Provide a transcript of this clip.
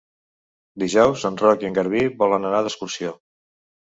Dijous en Roc i en Garbí volen anar d'excursió.